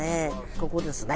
ここですね。